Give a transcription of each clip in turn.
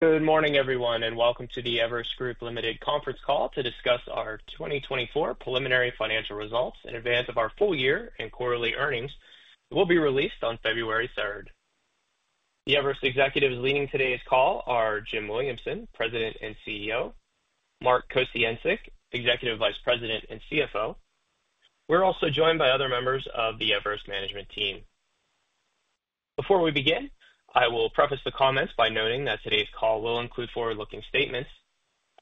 Good morning, everyone, and welcome to the Everest Group Limited Conference Call to discuss our 2024 preliminary financial results in advance of our full year and quarterly earnings, which will be released on February 3rd. The Everest executives leading today's call are Jim Williamson, President and CEO. Mark Kociancic, Executive Vice President and CFO. We're also joined by other members of the Everest management team. Before we begin, I will preface the comments by noting that today's call will include forward-looking statements.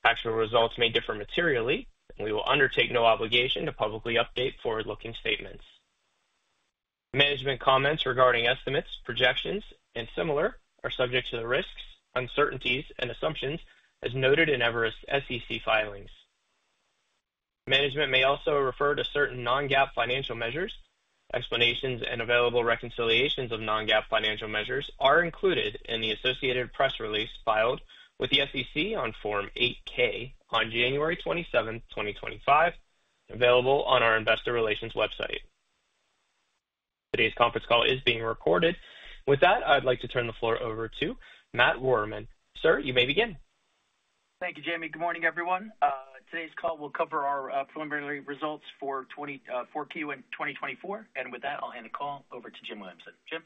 Actual results may differ materially, and we will undertake no obligation to publicly update forward-looking statements. Management comments regarding estimates, projections, and similar are subject to the risks, uncertainties, and assumptions as noted in Everest's SEC filings. Management may also refer to certain non-GAAP financial measures. Explanations and available reconciliations of non-GAAP financial measures are included in the associated press release filed with the SEC on Form 8-K on January 27, 2025, available on our Investor Relations website. Today's conference call is being recorded. With that, I'd like to turn the floor over to Matt Rohrmann. Sir, you may begin. Thank you, Jamie. Good morning, everyone. Today's call will cover our preliminary results for Q1 2024, and with that, I'll hand the call over to Jim Williamson. Jim.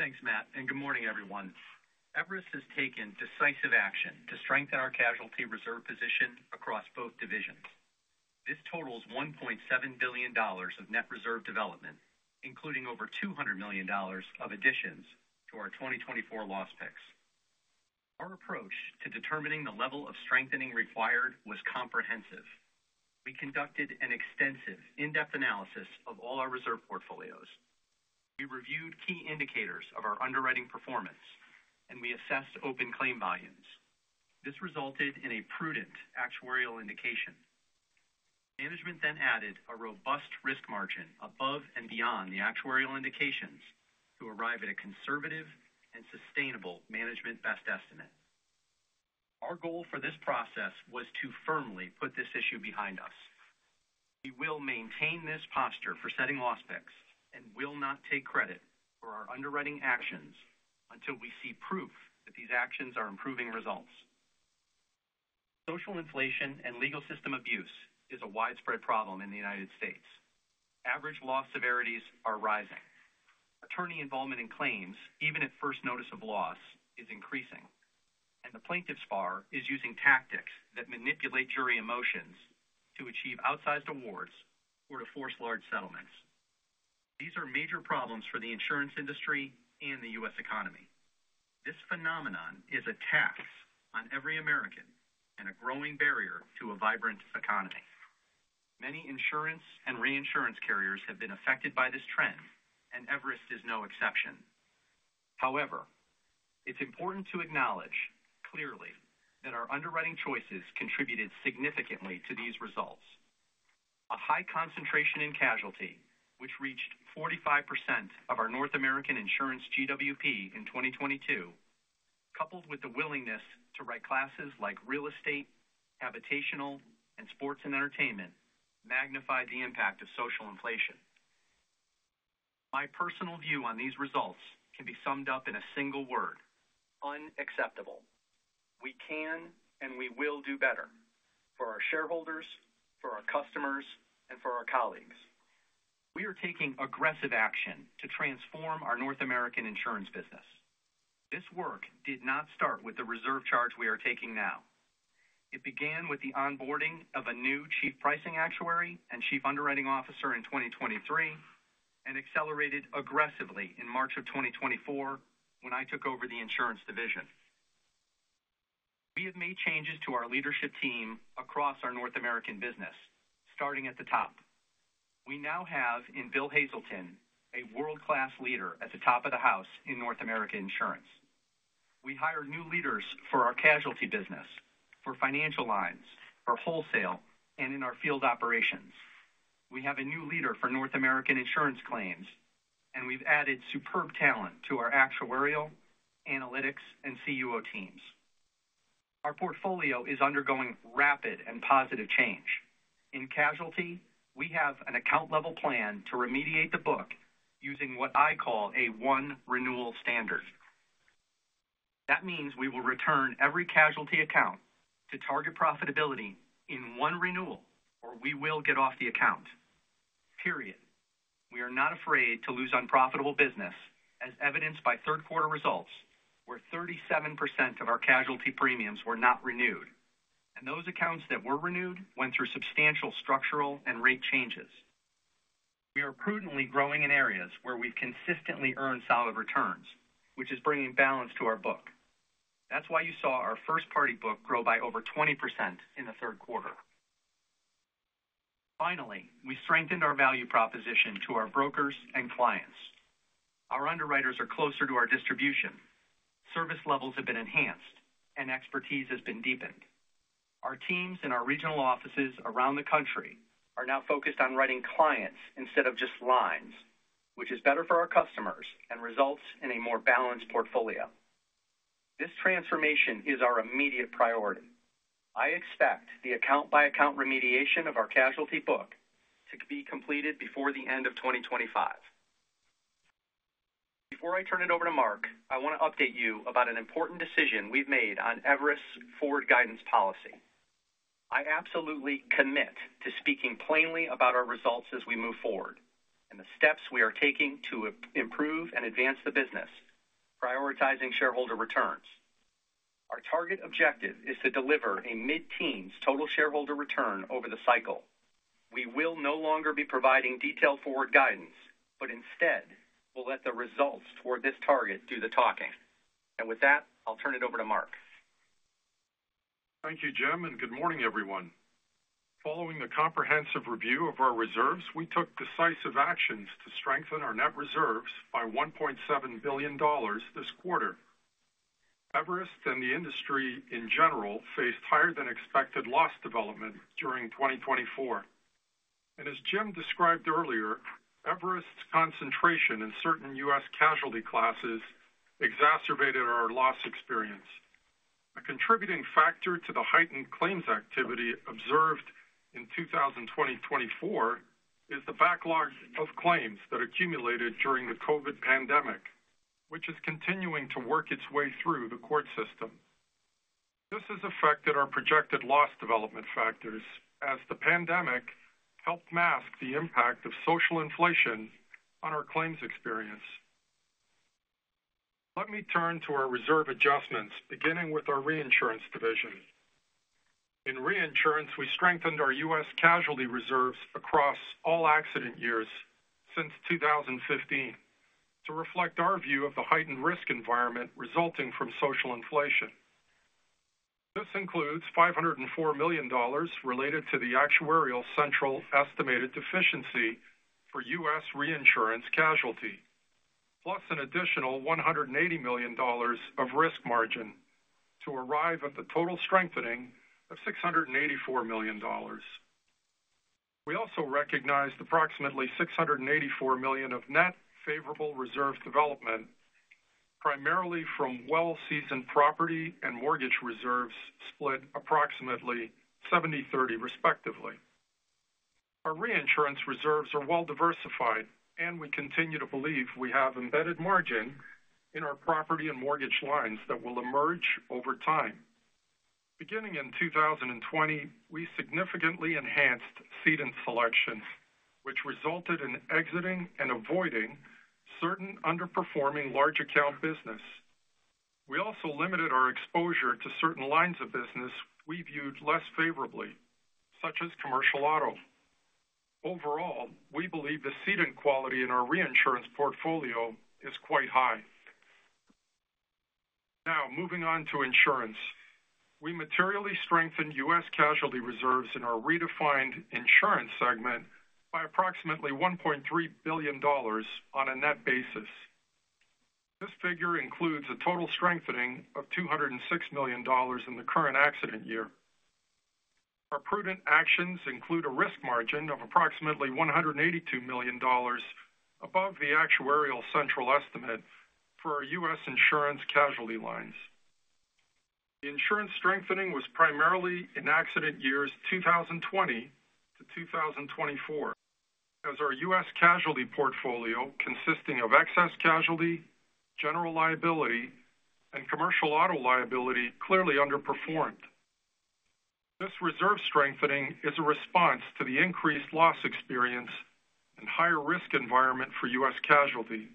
Thanks, Matt. And good morning, everyone. Everest has taken decisive action to strengthen our casualty reserve position across both divisions. This totals $1.7 billion of net reserve development, including over $200 million of additions to our 2024 loss picks. Our approach to determining the level of strengthening required was comprehensive. We conducted an extensive in-depth analysis of all our reserve portfolios. We reviewed key indicators of our underwriting performance, and we assessed open claim volumes. This resulted in a prudent actuarial indication. Management then added a robust risk margin above and beyond the actuarial indications to arrive at a conservative and sustainable management best estimate. Our goal for this process was to firmly put this issue behind us. We will maintain this posture for setting loss picks and will not take credit for our underwriting actions until we see proof that these actions are improving results. Social inflation and legal system abuse is a widespread problem in the United States. Average loss severities are rising. Attorney involvement in claims, even at first notice of loss, is increasing. The plaintiff's bar is using tactics that manipulate jury emotions to achieve outsized awards or to force large settlements. These are major problems for the insurance industry and the U.S. economy. This phenomenon is a tax on every American and a growing barrier to a vibrant economy. Many insurance and reinsurance carriers have been affected by this trend, and Everest is no exception. However, it's important to acknowledge clearly that our underwriting choices contributed significantly to these results. A high concentration in casualty, which reached 45% of our North American insurance GWP in 2022, coupled with the willingness to write classes like real estate, habitational, and sports and entertainment, magnified the impact of social inflation. My personal view on these results can be summed up in a single word: unacceptable. We can and we will do better for our shareholders, for our customers, and for our colleagues. We are taking aggressive action to transform our North American insurance business. This work did not start with the reserve charge we are taking now. It began with the onboarding of a new Chief Pricing Actuary and Chief Underwriting Officer in 2023 and accelerated aggressively in March of 2024 when I took over the insurance division. We have made changes to our leadership team across our North American business, starting at the top. We now have, in Bill Hazelton, a world-class leader at the top of the house in North American insurance. We hired new leaders for our casualty business, for financial lines, for wholesale, and in our field operations. We have a new leader for North American insurance claims, and we've added superb talent to our actuarial, analytics, and CUO teams. Our portfolio is undergoing rapid and positive change. In casualty, we have an account-level plan to remediate the book using what I call a one-renewal standard. That means we will return every casualty account to target profitability in one renewal, or we will get off the account. Period. We are not afraid to lose unprofitable business, as evidenced by third-quarter results where 37% of our casualty premiums were not renewed. And those accounts that were renewed went through substantial structural and rate changes. We are prudently growing in areas where we've consistently earned solid returns, which is bringing balance to our book. That's why you saw our first-party book grow by over 20% in the third quarter. Finally, we strengthened our value proposition to our brokers and clients. Our underwriters are closer to our distribution. Service levels have been enhanced, and expertise has been deepened. Our teams and our regional offices around the country are now focused on writing clients instead of just lines, which is better for our customers and results in a more balanced portfolio. This transformation is our immediate priority. I expect the account-by-account remediation of our casualty book to be completed before the end of 2025. Before I turn it over to Mark, I want to update you about an important decision we've made on Everest's forward guidance policy. I absolutely commit to speaking plainly about our results as we move forward and the steps we are taking to improve and advance the business, prioritizing shareholder returns. Our target objective is to deliver a mid-teens total shareholder return over the cycle. We will no longer be providing detailed forward guidance, but instead, we'll let the results toward this target do the talking. And with that, I'll turn it over to Mark. Thank you, Jim. And good morning, everyone. Following a comprehensive review of our reserves, we took decisive actions to strengthen our net reserves by $1.7 billion this quarter. Everest and the industry in general faced higher-than-expected loss development during 2024. And as Jim described earlier, Everest's concentration in certain U.S. casualty classes exacerbated our loss experience. A contributing factor to the heightened claims activity observed in 2020-2024 is the backlog of claims that accumulated during the COVID pandemic, which is continuing to work its way through the court system. This has affected our projected loss development factors as the pandemic helped mask the impact of social inflation on our claims experience. Let me turn to our reserve adjustments, beginning with our reinsurance division. In reinsurance, we strengthened our U.S. casualty reserves across all accident years since 2015 to reflect our view of the heightened risk environment resulting from social inflation. This includes $504 million related to the actuarial central estimate deficiency for U.S. reinsurance casualty, plus an additional $180 million of risk margin to arrive at the total strengthening of $684 million. We also recognize the approximately $684 million of net favorable reserve development, primarily from well-seasoned property and mortgage reserves split approximately 70/30, respectively. Our reinsurance reserves are well-diversified, and we continue to believe we have embedded margin in our property and mortgage lines that will emerge over time. Beginning in 2020, we significantly enhanced cedent selection, which resulted in exiting and avoiding certain underperforming large account business. We also limited our exposure to certain lines of business we viewed less favorably, such as commercial auto. Overall, we believe the cedent quality in our reinsurance portfolio is quite high. Now, moving on to insurance, we materially strengthened U.S. Casualty reserves in our redefined insurance segment by approximately $1.3 billion on a net basis. This figure includes a total strengthening of $206 million in the current accident year. Our prudent actions include a risk margin of approximately $182 million above the actuarial central estimate for our U.S. insurance casualty lines. The insurance strengthening was primarily in accident years 2020 to 2024, as our U.S. casualty portfolio, consisting of excess casualty, general liability, and commercial auto liability, clearly underperformed. This reserve strengthening is a response to the increased loss experience and higher risk environment for U.S. casualty,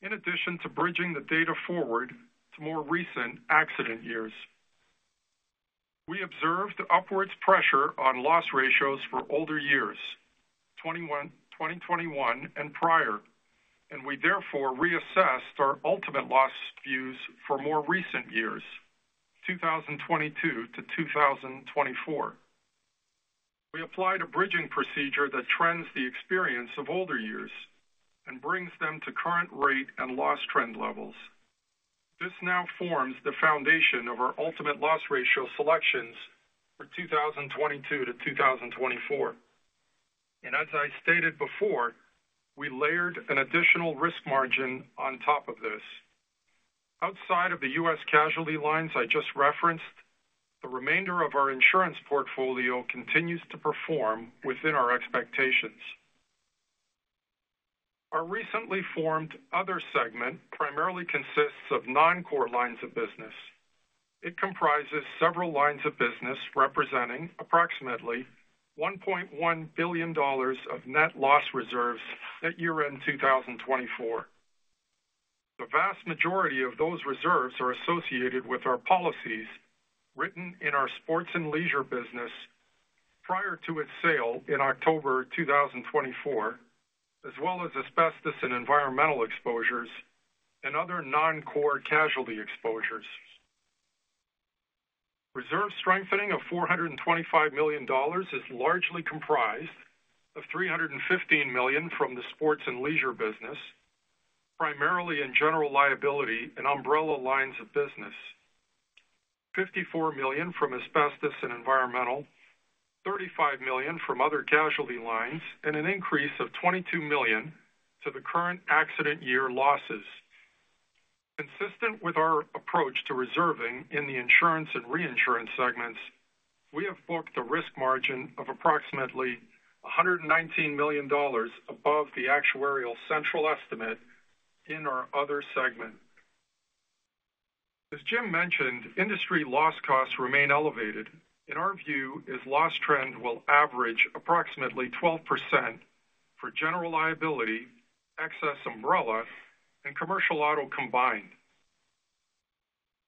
in addition to bridging the data forward to more recent accident years. We observed upwards pressure on loss ratios for older years, 2021 and prior, and we therefore reassessed our ultimate loss views for more recent years, 2022 to 2024. We applied a bridging procedure that trends the experience of older years and brings them to current rate and loss trend levels. This now forms the foundation of our ultimate loss ratio selections for 2022 to 2024. As I stated before, we layered an additional risk margin on top of this. Outside of the U.S. casualty lines I just referenced, the remainder of our insurance portfolio continues to perform within our expectations. Our recently formed other segment primarily consists of non-core lines of business. It comprises several lines of business representing approximately $1.1 billion of net loss reserves at year-end 2024. The vast majority of those reserves are associated with our policies written in our sports and leisure business prior to its sale in October 2024, as well as asbestos and environmental exposures and other non-core casualty exposures. Reserve strengthening of $425 million is largely comprised of $315 million from the Sports and Leisure business, primarily in General Liability and Umbrella lines of business, $54 million from asbestos and environmental, $35 million from other casualty lines, and an increase of $22 million to the current Accident Year losses. Consistent with our approach to reserving in the insurance and reinsurance segments, we have booked a Risk Margin of approximately $119 million above the Actuarial Central Estimate in our other segment. As Jim mentioned, industry loss costs remain elevated. In our view, this loss trend will average approximately 12% for General Liability, excess Umbrella, and Commercial Auto combined.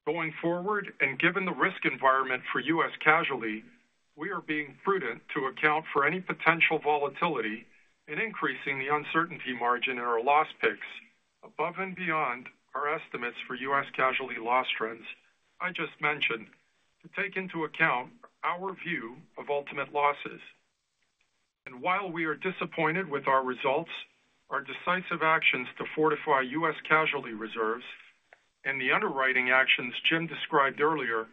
Going forward and given the risk environment for U.S. casualty, we are being prudent to account for any potential volatility in increasing the uncertainty margin in our Loss Picks above and beyond our estimates for U.S. Casualty loss trends I just mentioned to take into account our view of ultimate losses. And while we are disappointed with our results, our decisive actions to fortify U.S. casualty reserves and the underwriting actions Jim described earlier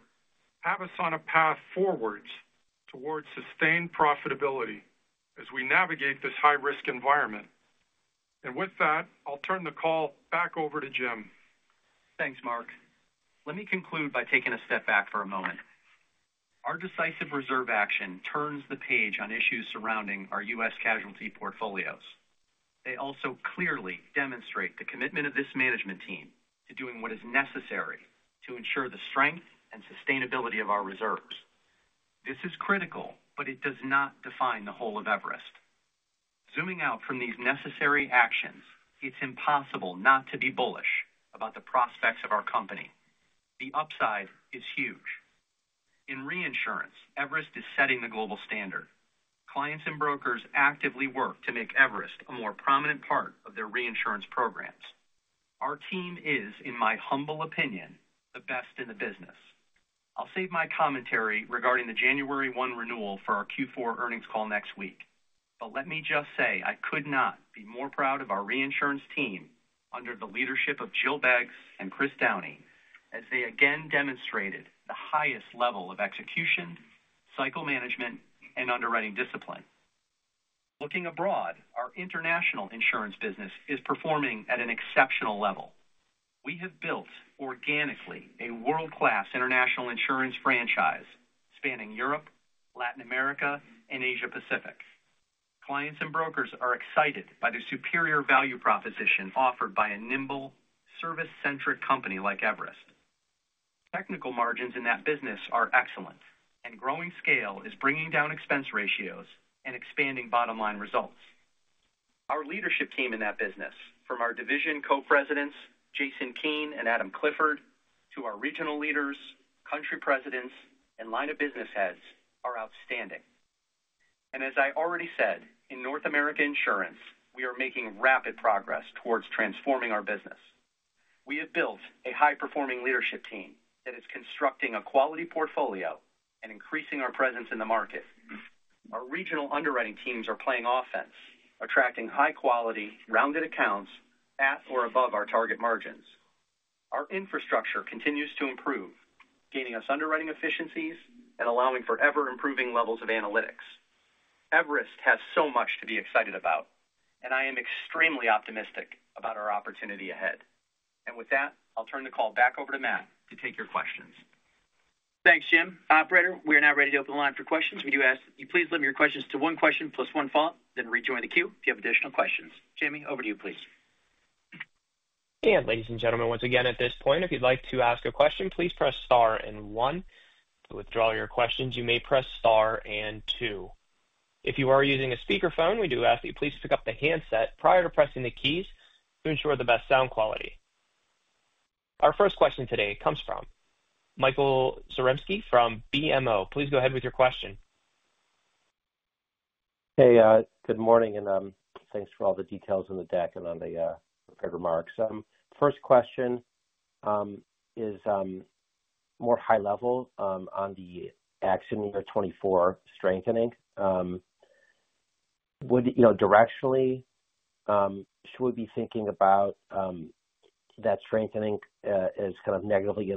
have us on a path forward toward sustained profitability as we navigate this high-risk environment. And with that, I'll turn the call back over to Jim. Thanks, Mark. Let me conclude by taking a step back for a moment. Our decisive reserve action turns the page on issues surrounding our U.S. casualty portfolios. They also clearly demonstrate the commitment of this management team to doing what is necessary to ensure the strength and sustainability of our reserves. This is critical, but it does not define the whole of Everest. Zooming out from these necessary actions, it's impossible not to be bullish about the prospects of our company. The upside is huge. In reinsurance, Everest is setting the global standard. Clients and brokers actively work to make Everest a more prominent part of their reinsurance programs. Our team is, in my humble opinion, the best in the business. I'll save my commentary regarding the January 1 renewal for our Q4 earnings call next week. But let me just say I could not be more proud of our reinsurance team under the leadership of Jill Beggs and Chris Downey, as they again demonstrated the highest level of execution, cycle management, and underwriting discipline. Looking abroad, our international insurance business is performing at an exceptional level. We have built organically a world-class international insurance franchise spanning Europe, Latin America, and Asia-Pacific. Clients and brokers are excited by the superior value proposition offered by a nimble, service-centric company like Everest. Technical margins in that business are excellent, and growing scale is bringing down expense ratios and expanding bottom-line results. Our leadership team in that business, from our division Co-Presidents, Jason Keen and Adam Clifford, to our regional leaders, country presidents, and line-of-business heads, are outstanding. And as I already said, in North America insurance, we are making rapid progress towards transforming our business. We have built a high-performing leadership team that is constructing a quality portfolio and increasing our presence in the market. Our regional underwriting teams are playing offense, attracting high-quality, rounded accounts at or above our target margins. Our infrastructure continues to improve, gaining us underwriting efficiencies and allowing for ever-improving levels of analytics. Everest has so much to be excited about, and I am extremely optimistic about our opportunity ahead. And with that, I'll turn the call back over to Matt to take your questions. Thanks, Jim. Operator, we are now ready to open the line for questions. We do ask that you please limit your questions to one question plus one thought, then rejoin the queue if you have additional questions. Jamie, over to you, please. Ladies and gentlemen, once again, at this point, if you'd like to ask a question, please press star and one. To withdraw your questions, you may press star and two. If you are using a speakerphone, we do ask that you please pick up the handset prior to pressing the keys to ensure the best sound quality. Our first question today comes from Michael Zaremski from BMO. Please go ahead with your question. Hey, good morning, and thanks for all the details in the deck and on the prepared remarks. First question is more high-level on the Accident Year 2024 strengthening. Directionally, should we be thinking about that strengthening as kind of negatively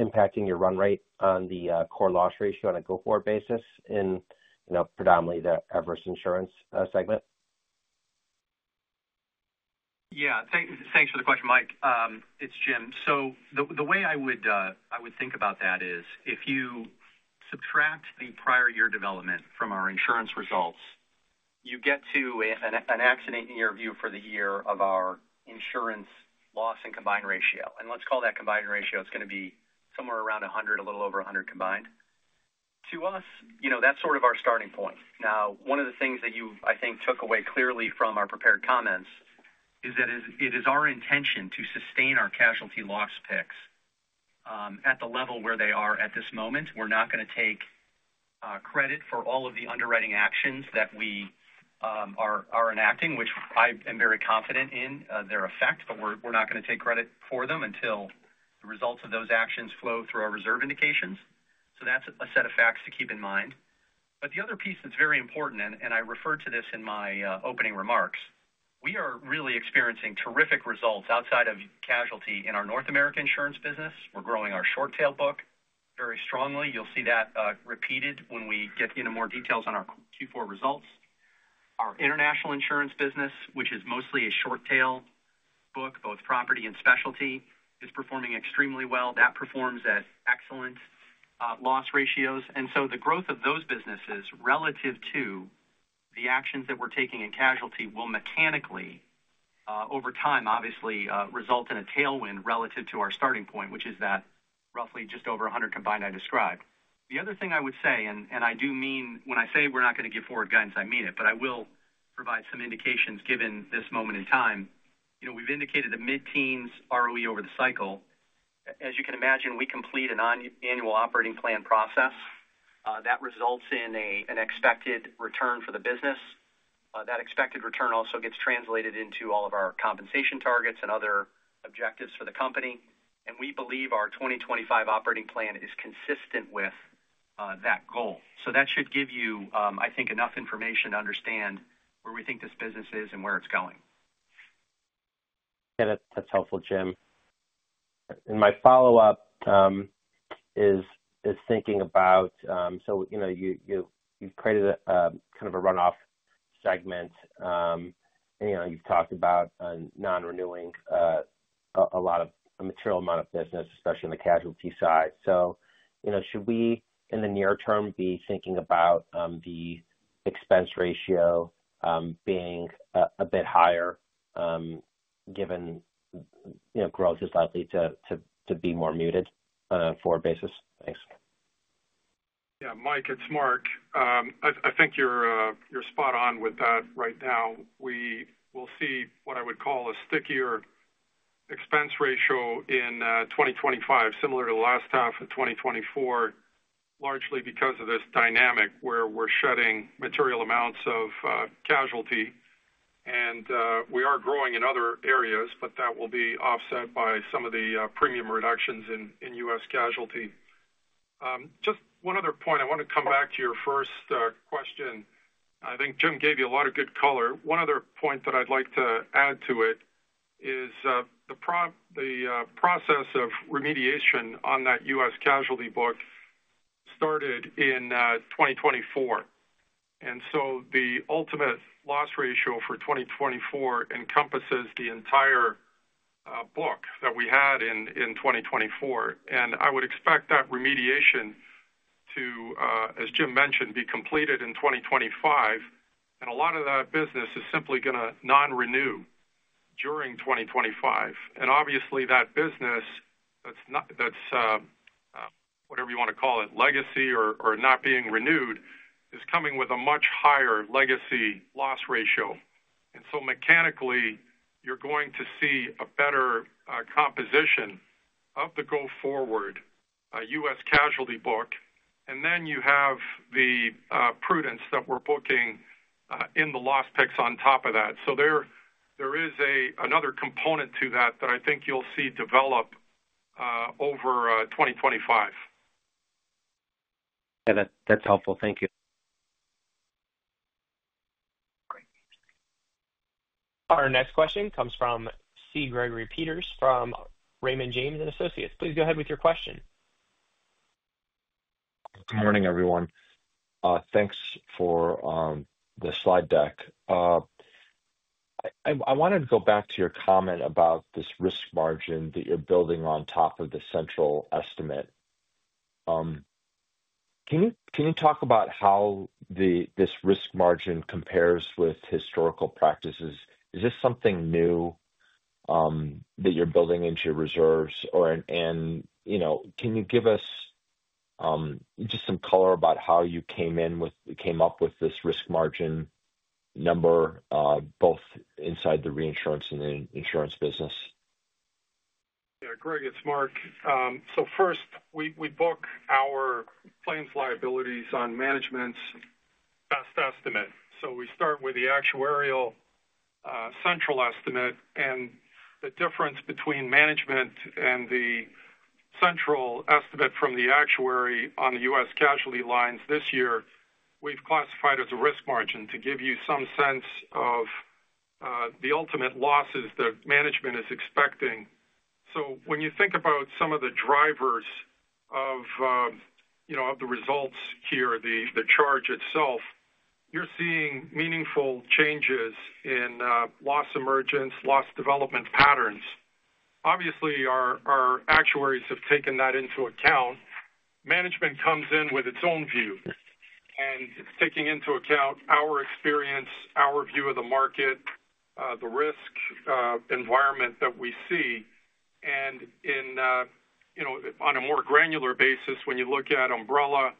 impacting your run rate on the core loss ratio on a go-forward basis in predominantly the Everest Insurance segment? Yeah. Thanks for the question, Mike. It's Jim. So the way I would think about that is if you subtract the prior year development from our insurance results, you get to an accident year view for the year of our insurance loss and combined ratio, and let's call that combined ratio; it's going to be somewhere around 100, a little over 100 combined. To us, that's sort of our starting point. Now, one of the things that you, I think, took away clearly from our prepared comments is that it is our intention to sustain our casualty loss picks at the level where they are at this moment. We're not going to take credit for all of the underwriting actions that we are enacting, which I am very confident in their effect, but we're not going to take credit for them until the results of those actions flow through our reserve indications. So that's a set of facts to keep in mind. But the other piece that's very important, and I referred to this in my opening remarks, we are really experiencing terrific results outside of casualty in our North America insurance business. We're growing our short-tail book very strongly. You'll see that repeated when we get into more details on our Q4 results. Our international insurance business, which is mostly a short-tail book, both property and specialty, is performing extremely well. That performs at excellent loss ratios. And so the growth of those businesses relative to the actions that we're taking in casualty will mechanically, over time, obviously result in a tailwind relative to our starting point, which is that roughly just over 100 combined I described. The other thing I would say, and I do mean when I say we're not going to give forward guidance, I mean it, but I will provide some indications given this moment in time. We've indicated the mid-teens ROE over the cycle. As you can imagine, we complete an annual operating plan process. That results in an expected return for the business. That expected return also gets translated into all of our compensation targets and other objectives for the company. And we believe our 2025 operating plan is consistent with that goal. So that should give you, I think, enough information to understand where we think this business is and where it's going. Yeah, that's helpful, Jim. And my follow-up is thinking about, so you've created kind of a runoff segment, and you've talked about non-renewing a lot of material amount of business, especially on the casualty side. So should we, in the near term, be thinking about the expense ratio being a bit higher given growth is likely to be more muted for a basis? Thanks. Yeah, Mike, it's Mark. I think you're spot on with that right now. We will see what I would call a stickier expense ratio in 2025, similar to the last half of 2024, largely because of this dynamic where we're shedding material amounts of casualty. And we are growing in other areas, but that will be offset by some of the premium reductions in U.S. casualty. Just one other point. I want to come back to your first question. I think Jim gave you a lot of good color. One other point that I'd like to add to it is the process of remediation on that U.S. casualty book started in 2024. And so the ultimate loss ratio for 2024 encompasses the entire book that we had in 2024. And I would expect that remediation, as Jim mentioned, be completed in 2025. A lot of that business is simply going to non-renew during 2025. And obviously, that business, that's whatever you want to call it, legacy or not being renewed, is coming with a much higher legacy loss ratio. And so mechanically, you're going to see a better composition of the go-forward U.S. casualty book. And then you have the prudence that we're booking in the loss picks on top of that. So there is another component to that that I think you'll see develop over 2025. Yeah, that's helpful. Thank you. Our next question comes from C. Gregory Peters from Raymond James & Associates. Please go ahead with your question. Good morning, everyone. Thanks for the slide deck. I wanted to go back to your comment about this risk margin that you're building on top of the central estimate. Can you talk about how this risk margin compares with historical practices? Is this something new that you're building into your reserves? And can you give us just some color about how you came up with this risk margin number, both inside the reinsurance and the insurance business? Yeah, Greg, it's Mark. So first, we book our claims liabilities on management's best estimate. So we start with the actuarial central estimate. And the difference between management and the central estimate from the actuary on the U.S. casualty lines this year, we've classified as a risk margin to give you some sense of the ultimate losses that management is expecting. So when you think about some of the drivers of the results here, the charge itself, you're seeing meaningful changes in loss emergence, loss development patterns. Obviously, our actuaries have taken that into account. Management comes in with its own view and taking into account our experience, our view of the market, the risk environment that we see. And on a more granular basis, when you look at Umbrella,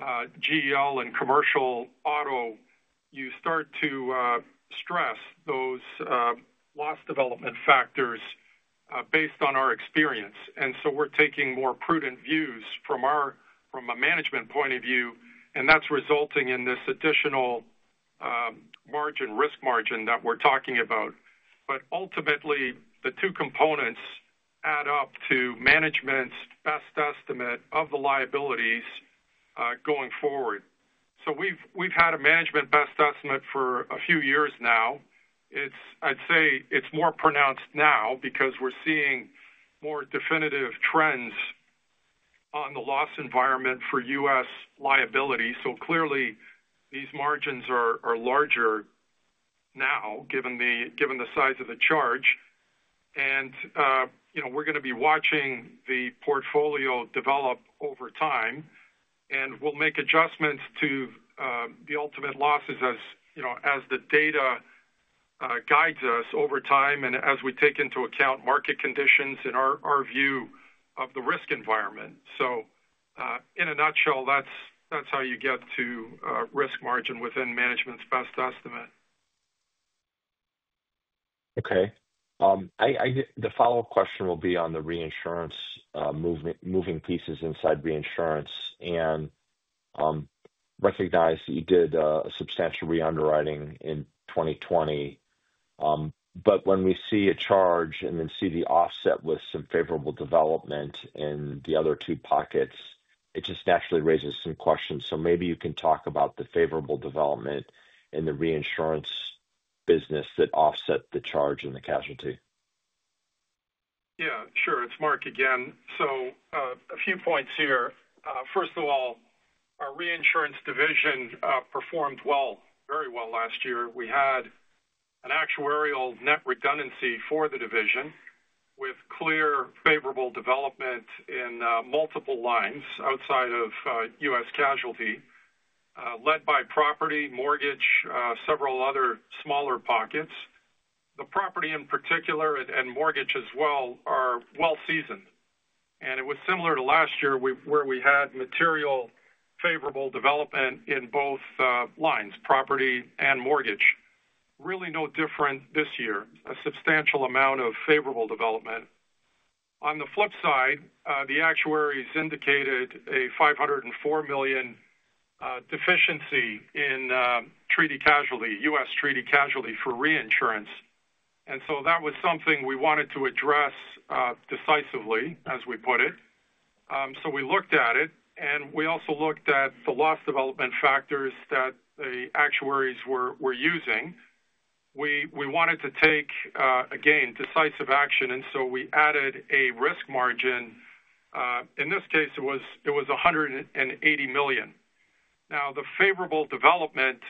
GL, and commercial auto, you start to stress those loss development factors based on our experience. And so we're taking more prudent views from a management point of view, and that's resulting in this additional margin, risk margin that we're talking about. But ultimately, the two components add up to management's best estimate of the liabilities going forward. So we've had a management best estimate for a few years now. I'd say it's more pronounced now because we're seeing more definitive trends on the loss environment for U.S. liability. So clearly, these margins are larger now given the size of the charge. And we're going to be watching the portfolio develop over time, and we'll make adjustments to the ultimate losses as the data guides us over time and as we take into account market conditions and our view of the risk environment. So in a nutshell, that's how you get to risk margin within management's best estimate. Okay. The follow-up question will be on the reinsurance moving pieces inside reinsurance. And recognize that you did a substantial re-underwriting in 2020. But when we see a charge and then see the offset with some favorable development in the other two pockets, it just naturally raises some questions. So maybe you can talk about the favorable development in the reinsurance business that offset the charge in the casualty. Yeah, sure. It's Mark again. So a few points here. First of all, our reinsurance division performed well, very well last year. We had an actuarial net redundancy for the division with clear favorable development in multiple lines outside of U.S. casualty led by property, mortgage, several other smaller pockets. The property in particular and mortgage as well are well-seasoned. And it was similar to last year where we had material favorable development in both lines, property and mortgage. Really no different this year, a substantial amount of favorable development. On the flip side, the actuaries indicated a $504 million deficiency in U.S. treaty casualty for reinsurance. And so that was something we wanted to address decisively, as we put it. So we looked at it, and we also looked at the loss development factors that the actuaries were using. We wanted to take, again, decisive action, and so we added a risk margin. In this case, it was $180 million. Now, the favorable development,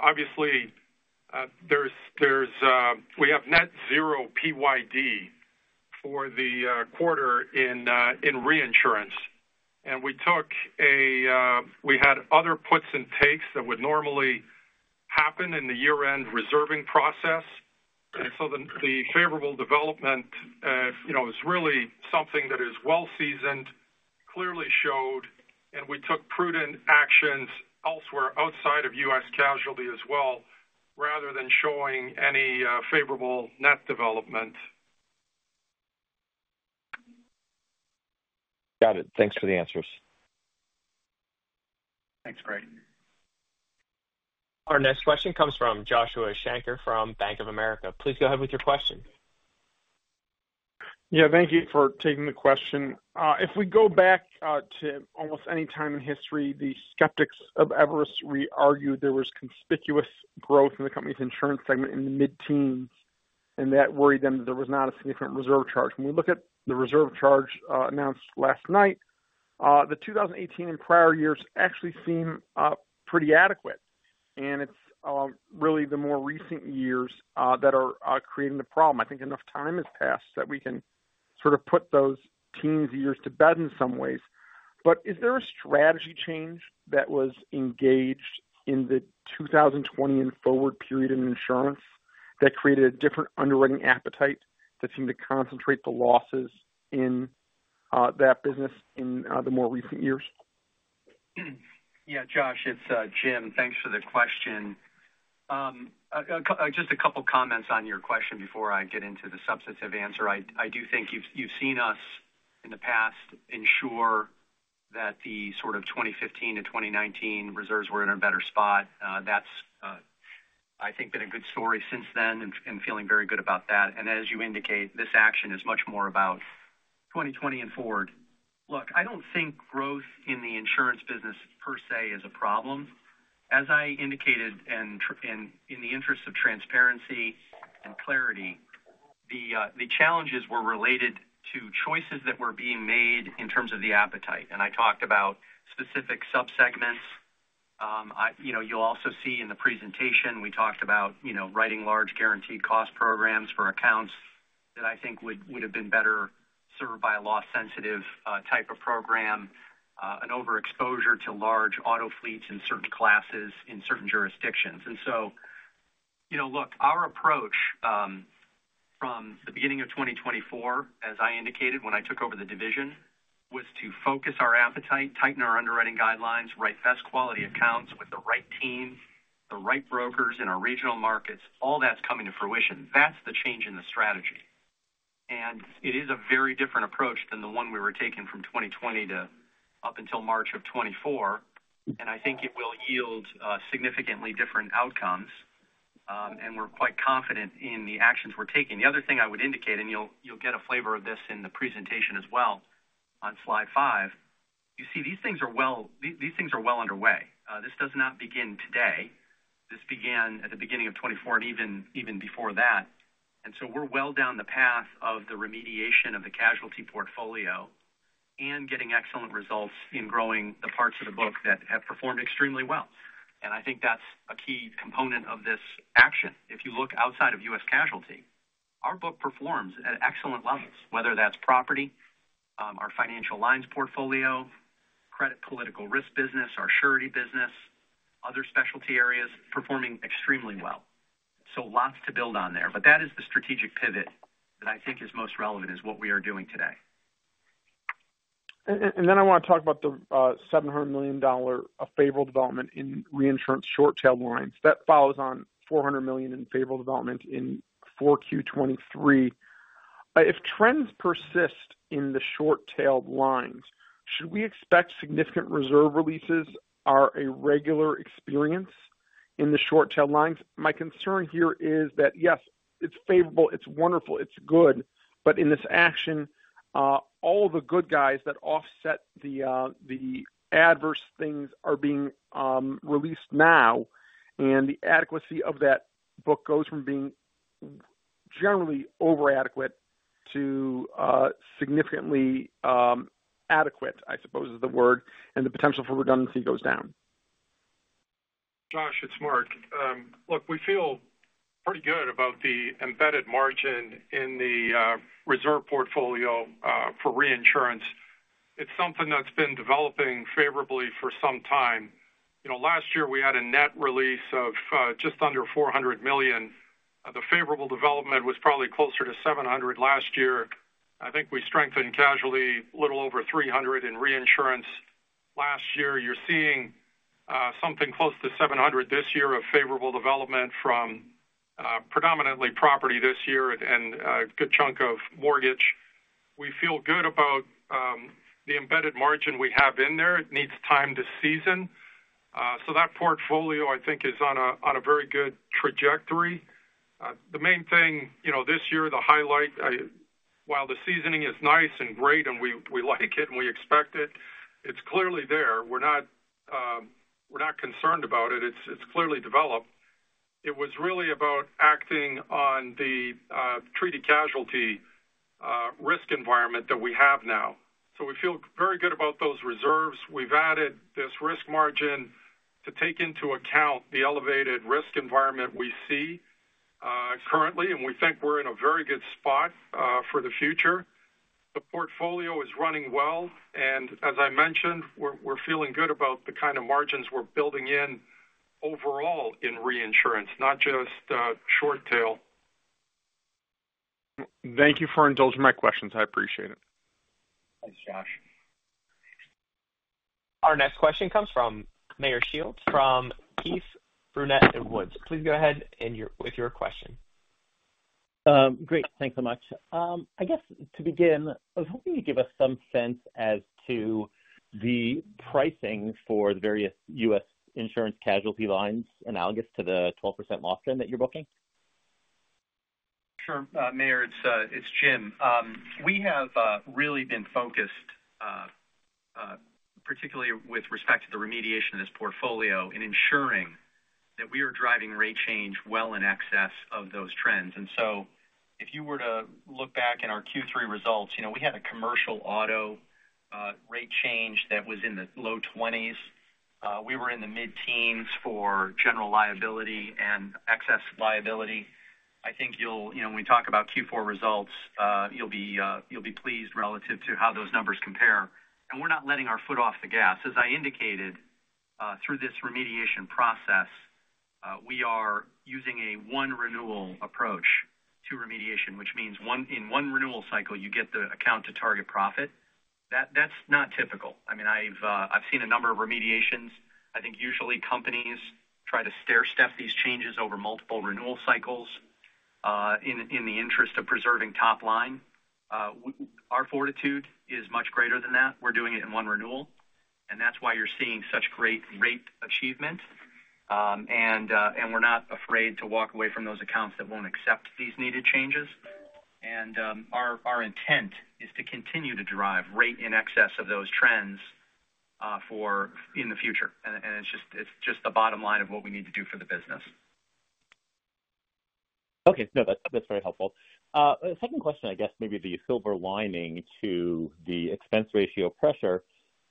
obviously, we have net zero PYD for the quarter in reinsurance. And we had other puts and takes that would normally happen in the year-end reserving process. And so the favorable development is really something that is well-seasoned, clearly showed, and we took prudent actions elsewhere outside of U.S. casualty as well, rather than showing any favorable net development. Got it. Thanks for the answers. Thanks, Greg. Our next question comes from Joshua Shanker from Bank of America. Please go ahead with your question. Yeah, thank you for taking the question. If we go back to almost any time in history, the skeptics of Everest re-argued there was conspicuous growth in the company's insurance segment in the mid-teens, and that worried them that there was not a significant reserve charge. When we look at the reserve charge announced last night, the 2018 and prior years actually seem pretty adequate. And it's really the more recent years that are creating the problem. I think enough time has passed that we can sort of put those teens years to bed in some ways. But is there a strategy change that was engaged in the 2020 and forward period in insurance that created a different underwriting appetite that seemed to concentrate the losses in that business in the more recent years? Yeah, Josh, it's Jim. Thanks for the question. Just a couple of comments on your question before I get into the substantive answer. I do think you've seen us in the past ensure that the sort of 2015 to 2019 reserves were in a better spot. That's, I think, been a good story since then and feeling very good about that. And as you indicate, this action is much more about 2020 and forward. Look, I don't think growth in the insurance business per se is a problem. As I indicated, and in the interest of transparency and clarity, the challenges were related to choices that were being made in terms of the appetite. And I talked about specific subsegments. You'll also see in the presentation, we talked about writing large guaranteed cost programs for accounts that I think would have been better served by a loss-sensitive type of program, an overexposure to large auto fleets in certain classes in certain jurisdictions. And so, look, our approach from the beginning of 2024, as I indicated when I took over the division, was to focus our appetite, tighten our underwriting guidelines, write best quality accounts with the right team, the right brokers in our regional markets. All that's coming to fruition. That's the change in the strategy. And it is a very different approach than the one we were taking from 2020 to up until March of 2024. And I think it will yield significantly different outcomes. And we're quite confident in the actions we're taking. The other thing I would indicate, and you'll get a flavor of this in the presentation as well on slide five. You see these things are well underway. This does not begin today. This began at the beginning of 2024 and even before that, and so we're well down the path of the remediation of the casualty portfolio and getting excellent results in growing the parts of the book that have performed extremely well, and I think that's a key component of this action. If you look outside of U.S. casualty, our book performs at excellent levels, whether that's property, our financial lines portfolio, credit political risk business, our surety business, other specialty areas performing extremely well, so lots to build on there, but that is the strategic pivot that I think is most relevant is what we are doing today. And then I want to talk about the $700 million of favorable development in reinsurance short-tailed lines. That follows on $400 million in favorable development in 4Q 2023. If trends persist in the short-tailed lines, should we expect significant reserve releases are a regular experience in the short-tailed lines? My concern here is that, yes, it's favorable, it's wonderful, it's good, but in this action, all the good guys that offset the adverse things are being released now, and the adequacy of that book goes from being generally over-adequate to significantly adequate, I suppose is the word, and the potential for redundancy goes down. Josh, it's Mark. Look, we feel pretty good about the embedded margin in the reserve portfolio for reinsurance. It's something that's been developing favorably for some time. Last year, we had a net release of just under $400 million. The favorable development was probably closer to $700 million last year. I think we strengthened casualty a little over $300 million in reinsurance last year. You're seeing something close to $700 million this year of favorable development from predominantly property this year and a good chunk of mortgage. We feel good about the embedded margin we have in there. It needs time to season. So that portfolio, I think, is on a very good trajectory. The main thing this year, the highlight, while the seasoning is nice and great and we like it and we expect it, it's clearly there. We're not concerned about it. It's clearly developed. It was really about acting on the treaty casualty risk environment that we have now. So we feel very good about those reserves. We've added this risk margin to take into account the elevated risk environment we see currently, and we think we're in a very good spot for the future. The portfolio is running well, and as I mentioned, we're feeling good about the kind of margins we're building in overall in reinsurance, not just short-tail. Thank you for indulging my questions. I appreciate it. Thanks, Josh. Our next question comes from Meyer Shields from Keefe, Bruyette & Woods. Please go ahead with your question. Great. Thanks so much. I guess to begin, I was hoping you'd give us some sense as to the pricing for the various U.S. insurance casualty lines analogous to the 12% loss trend that you're booking. Sure, Meyer. It's Jim. We have really been focused, particularly with respect to the remediation of this portfolio, in ensuring that we are driving rate change well in excess of those trends. And so if you were to look back in our Q3 results, we had a commercial auto rate change that was in the low 20s. We were in the mid-teens for general liability and excess liability. I think when we talk about Q4 results, you'll be pleased relative to how those numbers compare. And we're not letting our foot off the gas. As I indicated, through this remediation process, we are using a one-renewal approach to remediation, which means in one renewal cycle, you get the account to target profit. That's not typical. I mean, I've seen a number of remediations. I think usually companies try to stair-step these changes over multiple renewal cycles in the interest of preserving top line. Our fortitude is much greater than that. We're doing it in one renewal. And that's why you're seeing such great rate achievement. And we're not afraid to walk away from those accounts that won't accept these needed changes. And our intent is to continue to drive rate in excess of those trends in the future. And it's just the bottom line of what we need to do for the business. Okay. No, that's very helpful. Second question, I guess, maybe the silver lining to the expense ratio pressure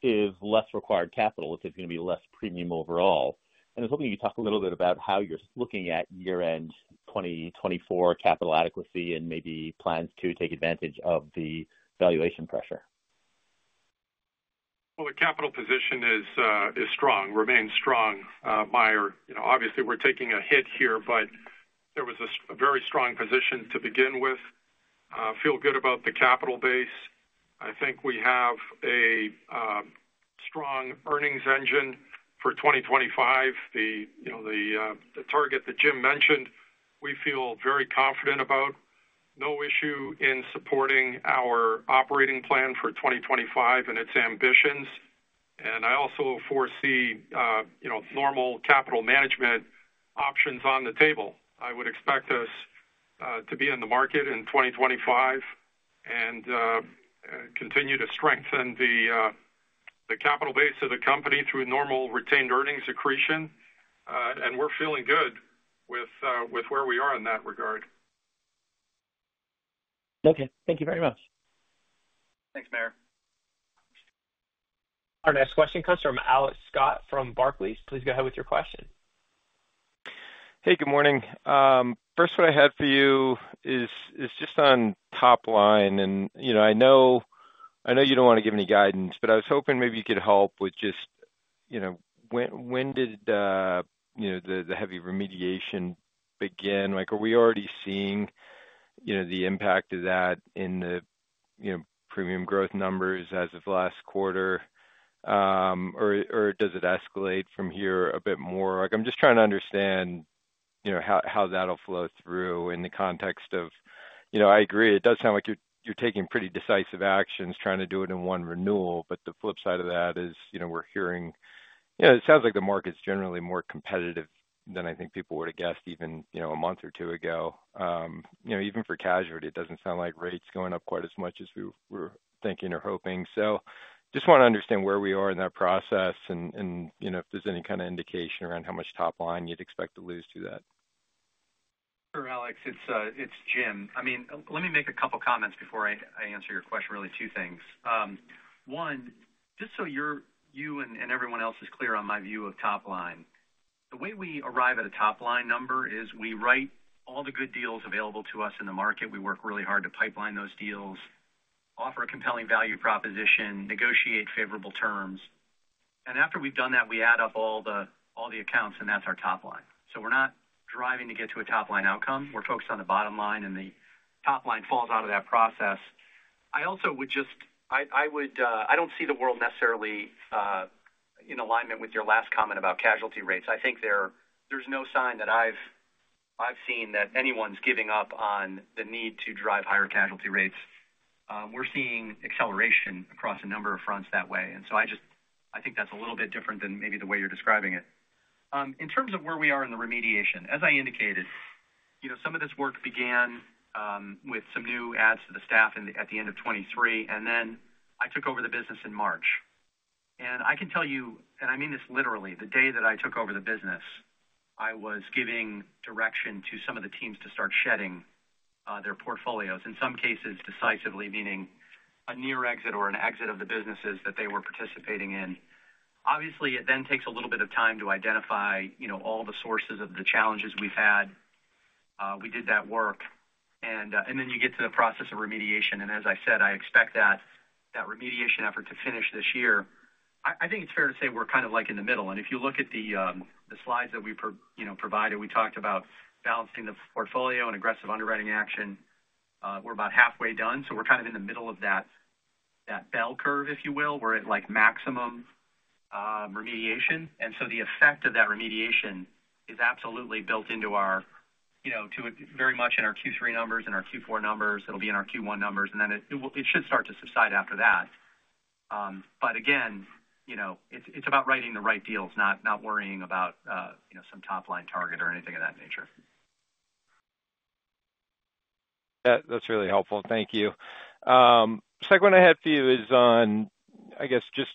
is less required capital, which is going to be less premium overall. And I was hoping you'd talk a little bit about how you're looking at year-end 2024 capital adequacy and maybe plans to take advantage of the valuation pressure. The capital position is strong, remains strong, Meyer. Obviously, we're taking a hit here, but there was a very strong position to begin with. I feel good about the capital base. I think we have a strong earnings engine for 2025. The target that Jim mentioned, we feel very confident about. No issue in supporting our operating plan for 2025 and its ambitions. And I also foresee normal capital management options on the table. I would expect us to be in the market in 2025 and continue to strengthen the capital base of the company through normal retained earnings accretion. And we're feeling good with where we are in that regard. Okay. Thank you very much. Thanks, Meyer. Our next question comes from Alex Scott from Barclays. Please go ahead with your question. Hey, good morning. First, what I had for you is just on top line. And I know you don't want to give any guidance, but I was hoping maybe you could help with just when did the heavy remediation begin? Are we already seeing the impact of that in the premium growth numbers as of last quarter, or does it escalate from here a bit more? I'm just trying to understand how that'll flow through in the context of I agree. It does sound like you're taking pretty decisive actions trying to do it in one renewal, but the flip side of that is we're hearing it sounds like the market's generally more competitive than I think people would have guessed even a month or two ago. Even for casualty, it doesn't sound like rates going up quite as much as we were thinking or hoping. So just want to understand where we are in that process and if there's any kind of indication around how much top line you'd expect to lose through that? Sure, Alex. It's Jim. I mean, let me make a couple of comments before I answer your question, really two things. One, just so you and everyone else is clear on my view of top line, the way we arrive at a top line number is we write all the good deals available to us in the market. We work really hard to pipeline those deals, offer a compelling value proposition, negotiate favorable terms, and after we've done that, we add up all the accounts, and that's our top line. So we're not driving to get to a top line outcome. We're focused on the bottom line, and the top line falls out of that process. I also would just, I don't see the world necessarily in alignment with your last comment about casualty rates. I think there's no sign that I've seen that anyone's giving up on the need to drive higher casualty rates. We're seeing acceleration across a number of fronts that way. And so I think that's a little bit different than maybe the way you're describing it. In terms of where we are in the remediation, as I indicated, some of this work began with some new adds to the staff at the end of 2023, and then I took over the business in March. And I can tell you, and I mean this literally, the day that I took over the business, I was giving direction to some of the teams to start shedding their portfolios, in some cases decisively, meaning a near exit or an exit of the businesses that they were participating in. Obviously, it then takes a little bit of time to identify all the sources of the challenges we've had. We did that work. And then you get to the process of remediation. And as I said, I expect that remediation effort to finish this year. I think it's fair to say we're kind of like in the middle. And if you look at the slides that we provided, we talked about balancing the portfolio and aggressive underwriting action. We're about halfway done. So we're kind of in the middle of that bell curve, if you will, where it's like maximum remediation. And so the effect of that remediation is absolutely built into our Q2 very much in our Q3 numbers and our Q4 numbers. It'll be in our Q1 numbers, and then it should start to subside after that. But again, it's about writing the right deals, not worrying about some top line target or anything of that nature. That's really helpful. Thank you. Second one I had for you is on, I guess, just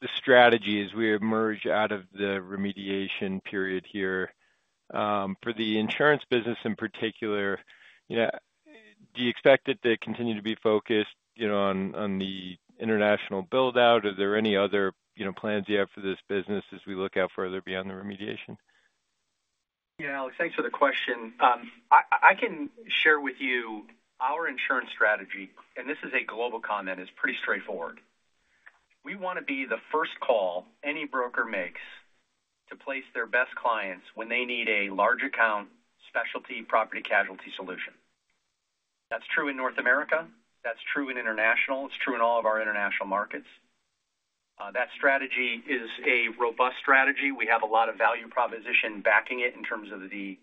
the strategy as we emerge out of the remediation period here. For the insurance business in particular, do you expect it to continue to be focused on the international buildout? Are there any other plans you have for this business as we look out further beyond the remediation? Yeah, Alex, thanks for the question. I can share with you our insurance strategy, and this is a global concept that is pretty straightforward. We want to be the first call any broker makes to place their best clients when they need a large account specialty property casualty solution. That's true in North America. That's true in international. It's true in all of our international markets. That strategy is a robust strategy. We have a lot of value proposition backing it in terms of the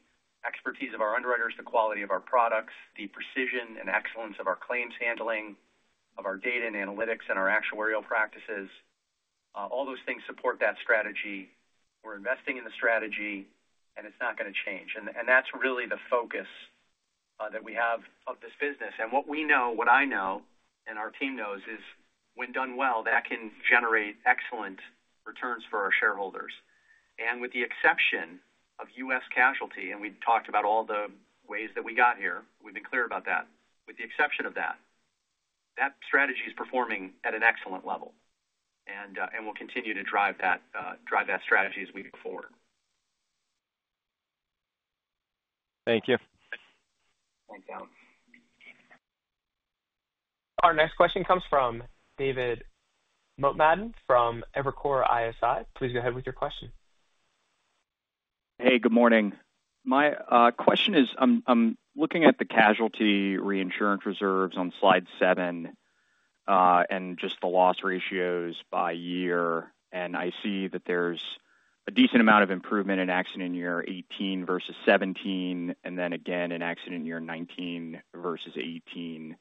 expertise of our underwriters, the quality of our products, the precision and excellence of our claims handling, of our data and analytics and our actuarial practices. All those things support that strategy. We're investing in the strategy, and it's not going to change. And that's really the focus that we have of this business. And what we know, what I know, and our team knows is when done well, that can generate excellent returns for our shareholders. And with the exception of U.S. casualty, and we've talked about all the ways that we got here, we've been clear about that. With the exception of that, that strategy is performing at an excellent level, and we'll continue to drive that strategy as we move forward. Thank you. Thanks, Alex. Our next question comes from David Motemaden from Evercore ISI. Please go ahead with your question. Hey, good morning. My question is, I'm looking at the casualty reinsurance reserves on slide seven and just the loss ratios by year, and I see that there's a decent amount of improvement in accident year 2018 versus 2017, and then again in accident year 2019 versus 2018,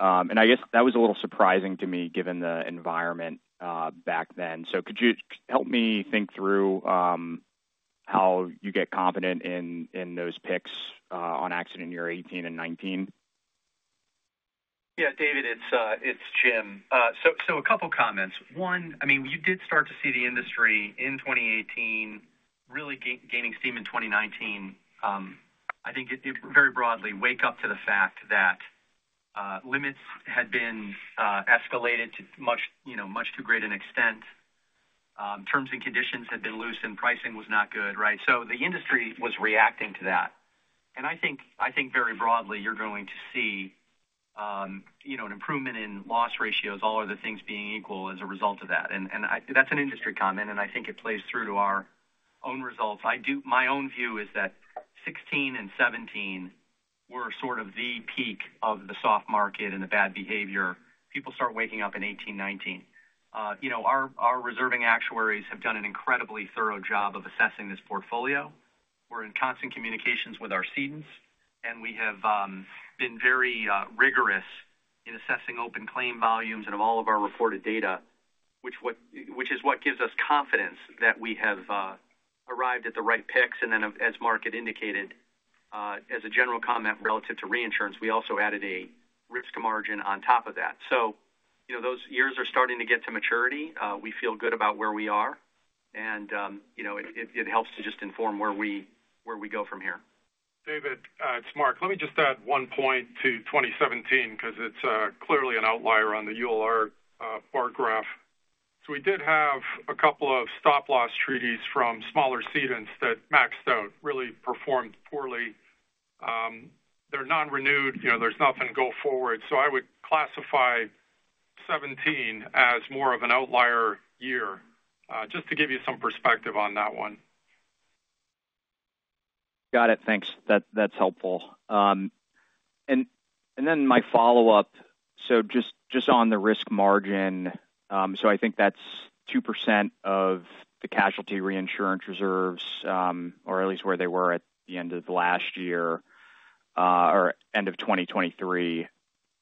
and I guess that was a little surprising to me given the environment back then, so could you help me think through how you get confident in those picks on accident year 2018 and 2019? Yeah, David, it's Jim. So a couple of comments. One, I mean, you did start to see the industry in 2018 really gaining steam in 2019. I think very broadly, wake up to the fact that limits had been escalated to much too great an extent. Terms and conditions had been loose, and pricing was not good, right? So the industry was reacting to that. And I think very broadly, you're going to see an improvement in loss ratios, all other things being equal as a result of that. And that's an industry comment, and I think it plays through to our own results. My own view is that 2016 and 2017 were sort of the peak of the soft market and the bad behavior. People start waking up in 2018, 2019. Our reserving actuaries have done an incredibly thorough job of assessing this portfolio. We're in constant communications with our cedents, and we have been very rigorous in assessing open claim volumes and all of our reported data, which is what gives us confidence that we have arrived at the right picks. And then, as Mark had indicated, as a general comment relative to reinsurance, we also added a risk margin on top of that. So those years are starting to get to maturity. We feel good about where we are, and it helps to just inform where we go from here. David, it's Mark. Let me just add one point to 2017 because it's clearly an outlier on the ULR bar graph. So we did have a couple of stop-loss treaties from smaller cedents that maxed out, really performed poorly. They're non-renewed. There's nothing to go forward. So I would classify '17 as more of an outlier year, just to give you some perspective on that one. Got it. Thanks. That's helpful. And then my follow-up, so just on the risk margin, so I think that's 2% of the casualty reinsurance reserves, or at least where they were at the end of last year or end of 2023.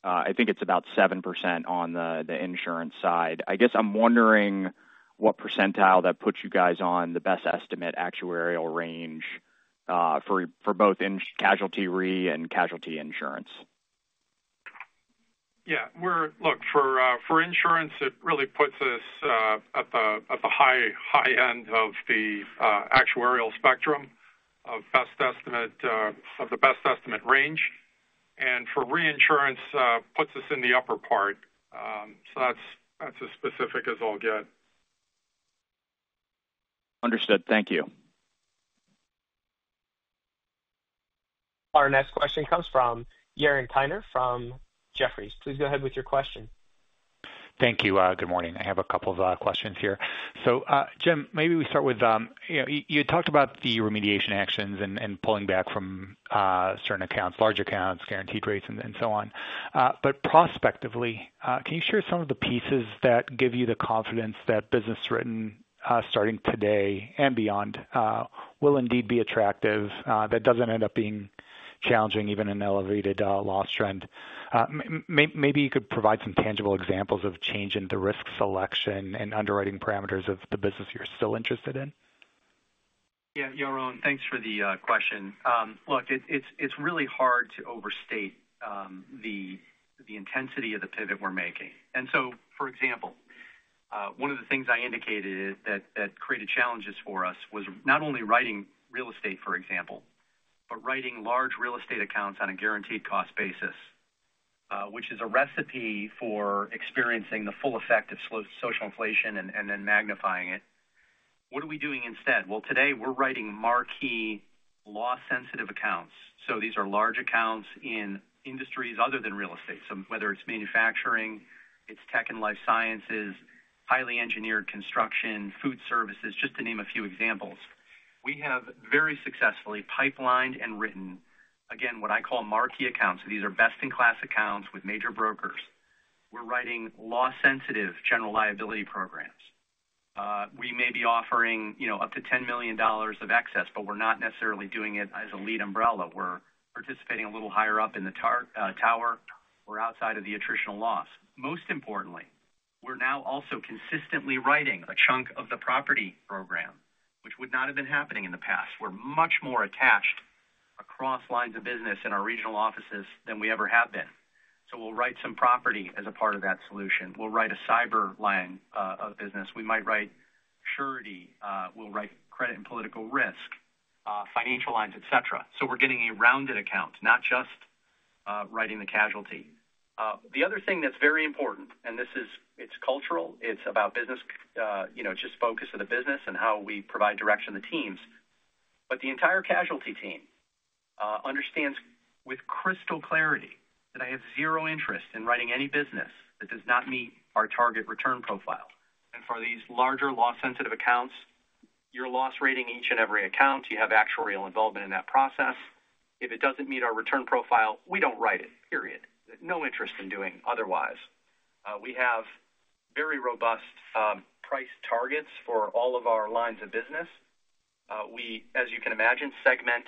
I think it's about 7% on the insurance side. I guess I'm wondering what percentile that puts you guys on the best estimate actuarial range for both casualty re and casualty insurance. Yeah. Look, for insurance, it really puts us at the high end of the actuarial spectrum of the best estimate range, and for reinsurance, puts us in the upper part, so that's as specific as I'll get. Understood. Thank you. Our next question comes from Yaron Kinar from Jefferies. Please go ahead with your question. Thank you. Good morning. I have a couple of questions here. So Jim, maybe we start with you had talked about the remediation actions and pulling back from certain accounts, large accounts, guaranteed rates, and so on. But prospectively, can you share some of the pieces that give you the confidence that business written, starting today and beyond, will indeed be attractive, that doesn't end up being challenging even in an elevated loss trend? Maybe you could provide some tangible examples of change in the risk selection and underwriting parameters of the business you're still interested in. Yeah, Yaron, thanks for the question. Look, it's really hard to overstate the intensity of the pivot we're making. And so, for example, one of the things I indicated that created challenges for us was not only writing real estate, for example, but writing large real estate accounts on a guaranteed cost basis, which is a recipe for experiencing the full effect of social inflation and then magnifying it. What are we doing instead? Well, today, we're writing marquee loss-sensitive accounts. So these are large accounts in industries other than real estate. So whether it's manufacturing, it's tech and life sciences, highly engineered construction, food services, just to name a few examples. We have very successfully pipelined and written, again, what I call marquee accounts. So these are best-in-class accounts with major brokers. We're writing loss-sensitive general liability programs. We may be offering up to $10 million of excess, but we're not necessarily doing it as a lead umbrella. We're participating a little higher up in the tower or outside of the attritional loss. Most importantly, we're now also consistently writing a chunk of the property program, which would not have been happening in the past. We're much more attached across lines of business in our regional offices than we ever have been. So we'll write some property as a part of that solution. We'll write a cyber line of business. We might write surety. We'll write credit and political risk, financial lines, etc. So we're getting a rounded account, not just writing the casualty. The other thing that's very important, and this is cultural, it's about business, just focus of the business and how we provide direction to the teams. But the entire casualty team understands with crystal clarity that I have zero interest in writing any business that does not meet our target return profile. And for these larger loss-sensitive accounts, we're loss rating each and every account. We have actuarial involvement in that process. If it doesn't meet our return profile, we don't write it, period. No interest in doing otherwise. We have very robust price targets for all of our lines of business. We, as you can imagine, segment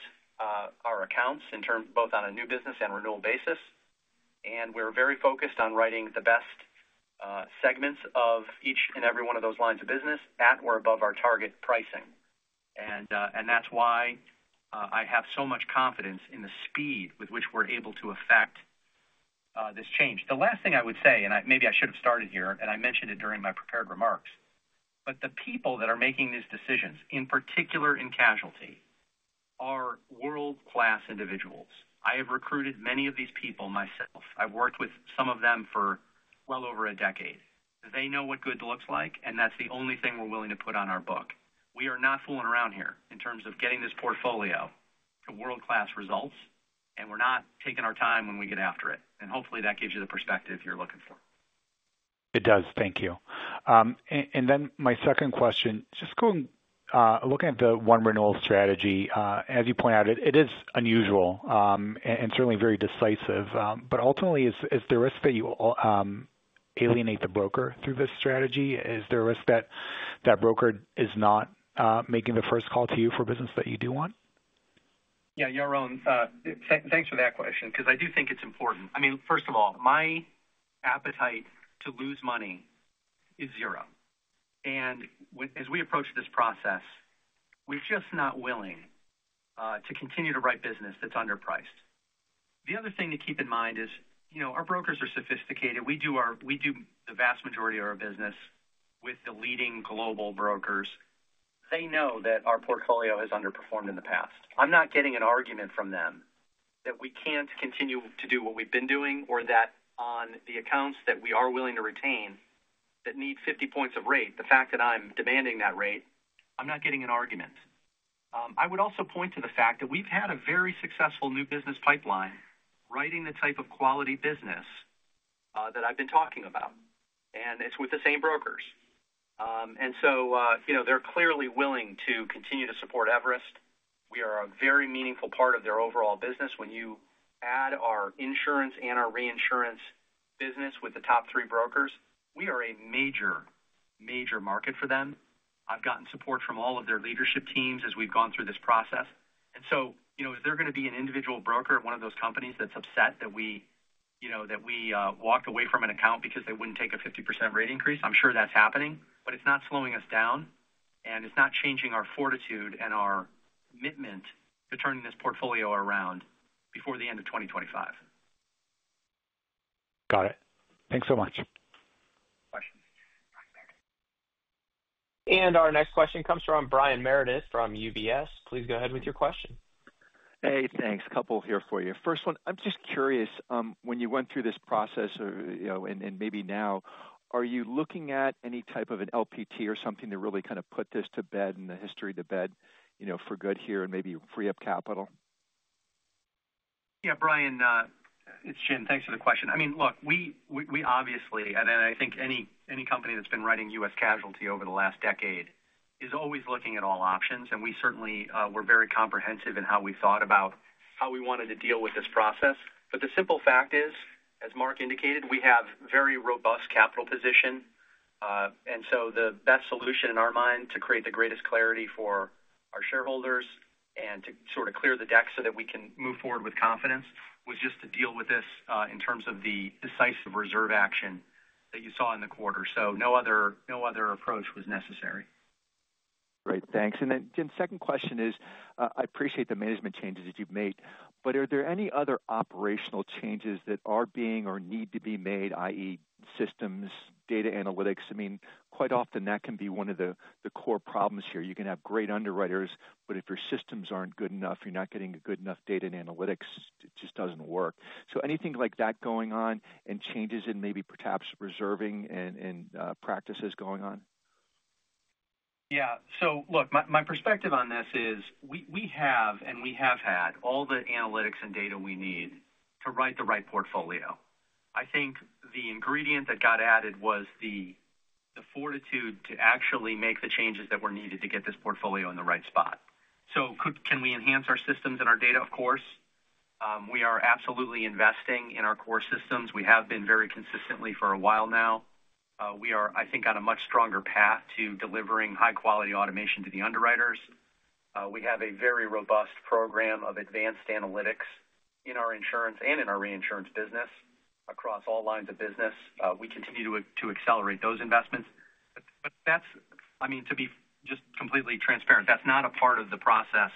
our accounts both on a new business and renewal basis. And we're very focused on writing the best segments of each and every one of those lines of business at or above our target pricing. And that's why I have so much confidence in the speed with which we're able to affect this change. The last thing I would say, and maybe I should have started here, and I mentioned it during my prepared remarks, but the people that are making these decisions, in particular in casualty, are world-class individuals. I have recruited many of these people myself. I've worked with some of them for well over a decade. They know what good looks like, and that's the only thing we're willing to put on our book. We are not fooling around here in terms of getting this portfolio to world-class results, and we're not taking our time when we get after it. And hopefully, that gives you the perspective you're looking for. It does. Thank you. And then my second question, just looking at the one-renewal strategy, as you point out, it is unusual and certainly very decisive. But ultimately, is there a risk that you alienate the broker through this strategy? Is there a risk that that broker is not making the first call to you for business that you do want? Yeah, Yaron, thanks for that question because I do think it's important. I mean, first of all, my appetite to lose money is zero. And as we approach this process, we're just not willing to continue to write business that's underpriced. The other thing to keep in mind is our brokers are sophisticated. We do the vast majority of our business with the leading global brokers. They know that our portfolio has underperformed in the past. I'm not getting an argument from them that we can't continue to do what we've been doing or that on the accounts that we are willing to retain that need 50 points of rate, the fact that I'm demanding that rate, I'm not getting an argument. I would also point to the fact that we've had a very successful new business pipeline writing the type of quality business that I've been talking about. It's with the same brokers. They're clearly willing to continue to support Everest. We are a very meaningful part of their overall business. When you add our insurance and our reinsurance business with the top three brokers, we are a major, major market for them. I've gotten support from all of their leadership teams as we've gone through this process. Is there going to be an individual broker at one of those companies that's upset that we walked away from an account because they wouldn't take a 50% rate increase? I'm sure that's happening, but it's not slowing us down, and it's not changing our fortitude and our commitment to turning this portfolio around before the end of 2025. Got it. Thanks so much. And our next question comes from Brian Meredith from UBS. Please go ahead with your question. Hey, thanks. A couple here for you. First one, I'm just curious, when you went through this process and maybe now, are you looking at any type of an LPT or something to really kind of put this to bed and the history to bed for good here and maybe free up capital? Yeah, Brian, it's Jim. Thanks for the question. I mean, look, we obviously, and I think any company that's been writing U.S. casualty over the last decade is always looking at all options. And we certainly were very comprehensive in how we thought about how we wanted to deal with this process. But the simple fact is, as Mark indicated, we have a very robust capital position. And so the best solution in our mind to create the greatest clarity for our shareholders and to sort of clear the deck so that we can move forward with confidence was just to deal with this in terms of the decisive reserve action that you saw in the quarter. So no other approach was necessary. Great. Thanks. And then, Jim, second question is, I appreciate the management changes that you've made, but are there any other operational changes that are being or need to be made, i.e., systems, data analytics? I mean, quite often, that can be one of the core problems here. You can have great underwriters, but if your systems aren't good enough, you're not getting good enough data and analytics, it just doesn't work. So anything like that going on and changes in maybe perhaps reserving and practices going on? Yeah. So look, my perspective on this is we have, and we have had, all the analytics and data we need to write the right portfolio. I think the ingredient that got added was the fortitude to actually make the changes that were needed to get this portfolio in the right spot. So can we enhance our systems and our data? Of course. We are absolutely investing in our core systems. We have been very consistently for a while now. We are, I think, on a much stronger path to delivering high-quality automation to the underwriters. We have a very robust program of advanced analytics in our insurance and in our reinsurance business across all lines of business. We continue to accelerate those investments. But I mean, to be just completely transparent, that's not a part of the process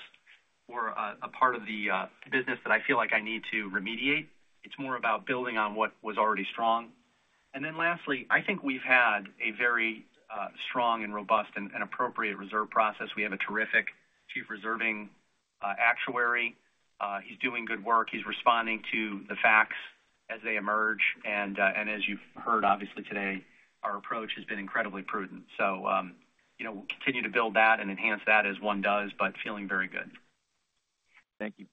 or a part of the business that I feel like I need to remediate. It's more about building on what was already strong. And then lastly, I think we've had a very strong and robust and appropriate reserve process. We have a terrific chief reserving actuary. He's doing good work. He's responding to the facts as they emerge. And as you've heard, obviously today, our approach has been incredibly prudent. So we'll continue to build that and enhance that as one does, but feeling very good. Thank you.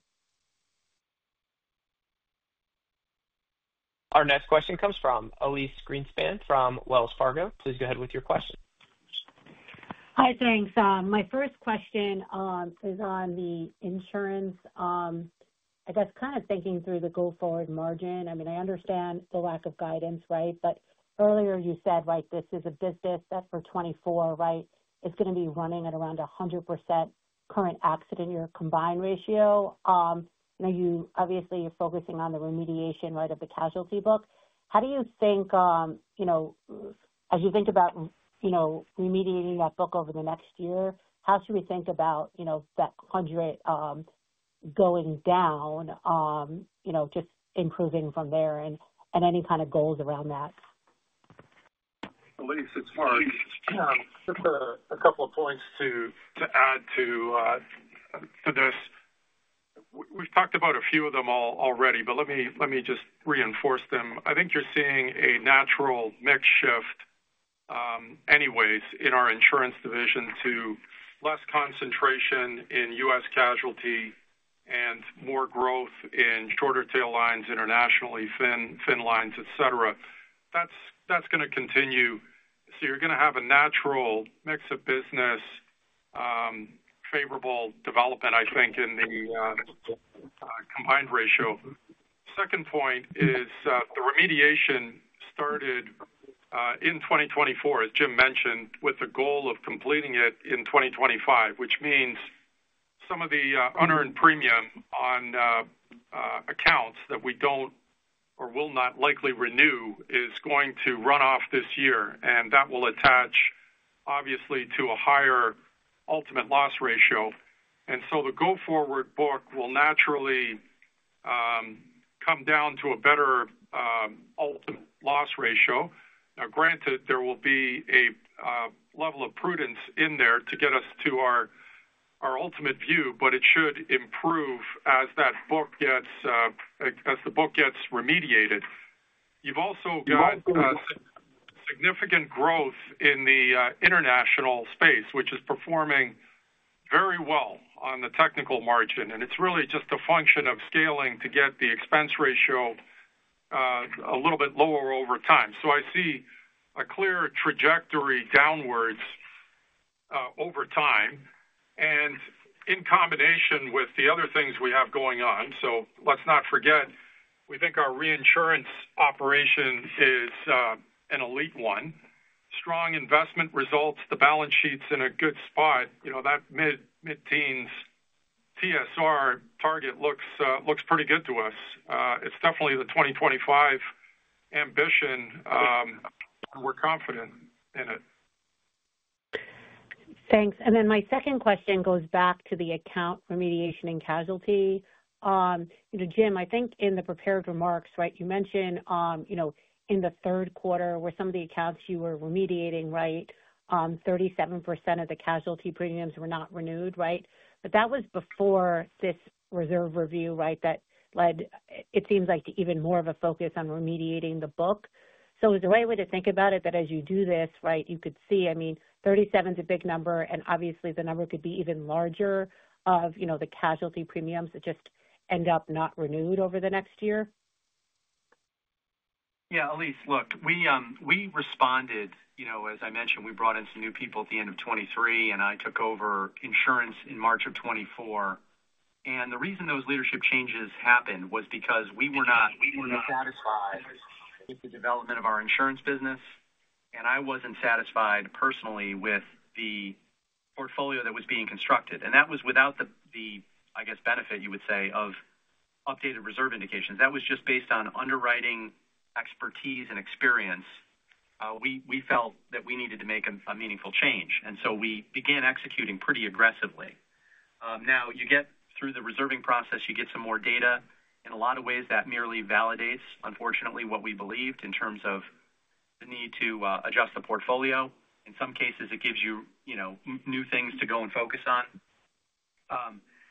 Our next question comes from Elyse Greenspan from Wells Fargo. Please go ahead with your question. Hi, thanks. My first question is on the insurance. I guess kind of thinking through the go-forward margin. I mean, I understand the lack of guidance, right? But earlier you said, right, this is a business that for 2024, right, is going to be running at around 100% current accident year combined ratio. Obviously, you're focusing on the remediation, right, of the casualty book. How do you think, as you think about remediating that book over the next year, how should we think about that 100% going down, just improving from there and any kind of goals around that? Elyse, it's Mark. Just a couple of points to add to this. We've talked about a few of them already, but let me just reinforce them. I think you're seeing a natural mix shift anyways in our insurance division to less concentration in U.S. casualty and more growth in shorter tail lines internationally, fin lines, etc. That's going to continue, so you're going to have a natural mix of business, favorable development, I think, in the combined ratio. Second point is the remediation started in 2024, as Jim mentioned, with the goal of completing it in 2025, which means some of the unearned premium on accounts that we don't or will not likely renew is going to run off this year, and that will attach, obviously, to a higher ultimate loss ratio, and so the go-forward book will naturally come down to a better ultimate loss ratio. Now, granted, there will be a level of prudence in there to get us to our ultimate view, but it should improve as the book gets remediated. You've also got significant growth in the international space, which is performing very well on the technical margin, and it's really just a function of scaling to get the expense ratio a little bit lower over time. So I see a clear trajectory downwards over time and in combination with the other things we have going on, so let's not forget, we think our reinsurance operation is an elite one. Strong investment results, the balance sheet's in a good spot. That mid-teens TSR target looks pretty good to us. It's definitely the 2025 ambition, and we're confident in it. Thanks. And then my second question goes back to the account remediation and casualty. Jim, I think in the prepared remarks, right, you mentioned in the third quarter were some of the accounts you were remediating, right? 37% of the casualty premiums were not renewed, right? But that was before this reserve review, right, that led, it seems like, to even more of a focus on remediating the book. So is there any way to think about it that as you do this, right, you could see, I mean, 37% is a big number, and obviously, the number could be even larger of the casualty premiums that just end up not renewed over the next year? Yeah. Elyse, look, we responded. As I mentioned, we brought in some new people at the end of 2023, and I took over insurance in March of 2024, and the reason those leadership changes happened was because we were not satisfied with the development of our insurance business, and I wasn't satisfied personally with the portfolio that was being constructed, and that was without the, I guess, benefit, you would say, of updated reserve indications. That was just based on underwriting expertise and experience. We felt that we needed to make a meaningful change, and so we began executing pretty aggressively. Now, you get through the reserving process, you get some more data. In a lot of ways, that merely validates, unfortunately, what we believed in terms of the need to adjust the portfolio. In some cases, it gives you new things to go and focus on.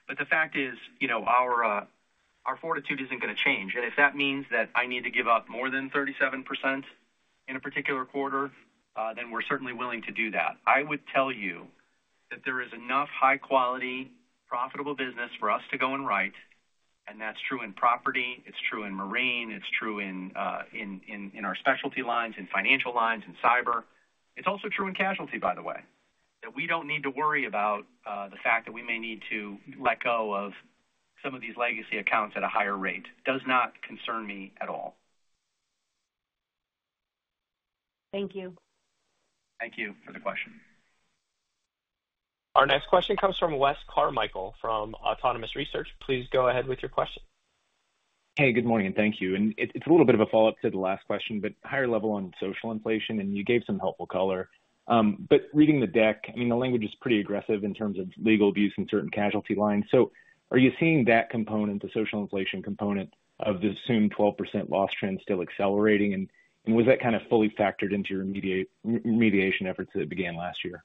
But the fact is, our fortitude isn't going to change. And if that means that I need to give up more than 37% in a particular quarter, then we're certainly willing to do that. I would tell you that there is enough high-quality, profitable business for us to go and write. And that's true in property. It's true in marine. It's true in our specialty lines, in financial lines, in cyber. It's also true in casualty, by the way, that we don't need to worry about the fact that we may need to let go of some of these legacy accounts at a higher rate. Does not concern me at all. Thank you. Thank you for the question. Our next question comes from Wes Carmichael from Autonomous Research. Please go ahead with your question. Hey, good morning. Thank you. And it's a little bit of a follow-up to the last question, but higher level on social inflation, and you gave some helpful color. But reading the deck, I mean, the language is pretty aggressive in terms of legal abuse and certain casualty lines. So are you seeing that component, the social inflation component of the assumed 12% loss trend still accelerating? And was that kind of fully factored into your remediation efforts that began last year?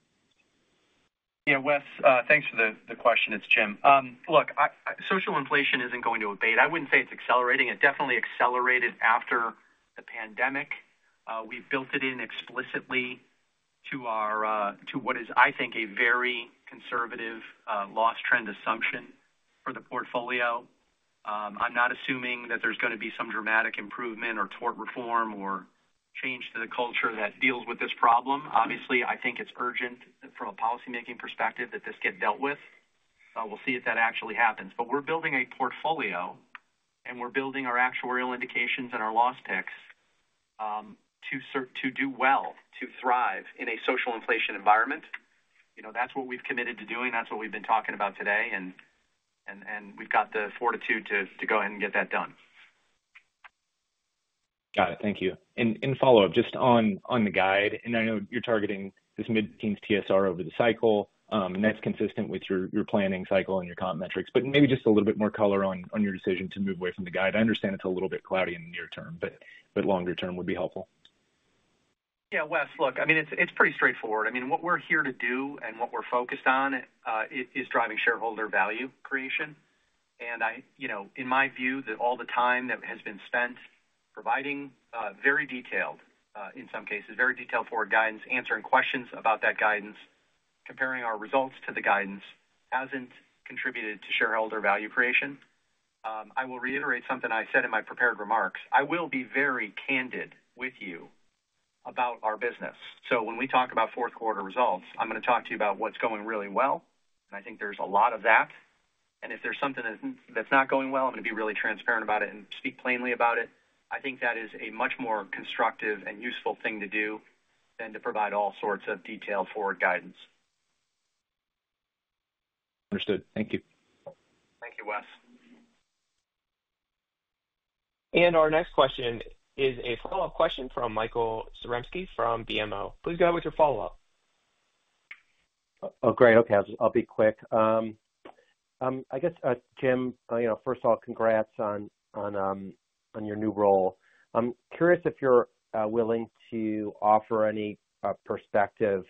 Yeah, Wes, thanks for the question. It's Jim. Look, social inflation isn't going to abate. I wouldn't say it's accelerating. It definitely accelerated after the pandemic. We've built it in explicitly to what is, I think, a very conservative loss trend assumption for the portfolio. I'm not assuming that there's going to be some dramatic improvement or tort reform or change to the culture that deals with this problem. Obviously, I think it's urgent from a policymaking perspective that this get dealt with. We'll see if that actually happens, but we're building a portfolio, and we're building our actuarial indications and our loss picks to do well, to thrive in a social inflation environment. That's what we've committed to doing. That's what we've been talking about today, and we've got the fortitude to go ahead and get that done. Got it. Thank you. And in follow-up, just on the guide, and I know you're targeting this mid-teens TSR over the cycle, and that's consistent with your planning cycle and your comp metrics, but maybe just a little bit more color on your decision to move away from the guide. I understand it's a little bit cloudy in the near term, but longer term would be helpful. Yeah, Wes, look, I mean, it's pretty straightforward. I mean, what we're here to do and what we're focused on is driving shareholder value creation, and in my view, all the time that has been spent providing very detailed, in some cases, very detailed forward guidance, answering questions about that guidance, comparing our results to the guidance hasn't contributed to shareholder value creation. I will reiterate something I said in my prepared remarks. I will be very candid with you about our business, so when we talk about fourth quarter results, I'm going to talk to you about what's going really well. And I think there's a lot of that, and if there's something that's not going well, I'm going to be really transparent about it and speak plainly about it. I think that is a much more constructive and useful thing to do than to provide all sorts of detailed forward guidance. Understood. Thank you. Thank you, Wes. Our next question is a follow-up question from Michael Zaremski from BMO. Please go ahead with your follow-up. Oh, great. Okay. I'll be quick. I guess, Jim, first of all, congrats on your new role. I'm curious if you're willing to offer any perspective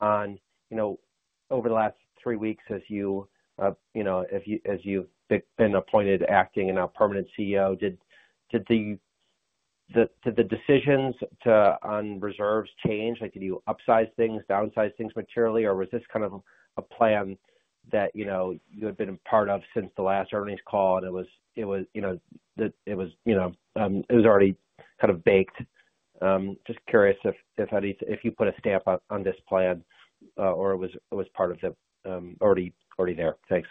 on over the last three weeks as you've been appointed acting and now permanent CEO. Did the decisions on reserves change? Did you upsize things, downsize things materially, or was this kind of a plan that you had been a part of since the last earnings call and it was already kind of baked? Just curious if you put a stamp on this plan or it was part of the already there. Thanks.